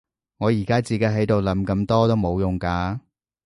你而家自己喺度諗咁多都冇用㗎